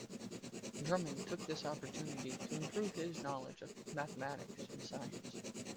Drummond took this opportunity to improve his knowledge of mathematics and science.